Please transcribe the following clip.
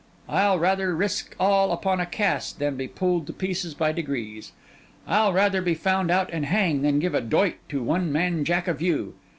I'll rather risk all upon a cast, than be pulled to pieces by degrees. I'll rather be found out and hang, than give a doit to one man jack of you.